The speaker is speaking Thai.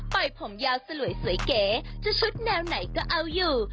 ยผมยาวสลวยสวยเก๋จะชุดแนวไหนก็เอาอยู่